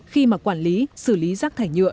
khi mà quản lý xử lý rác thải nhựa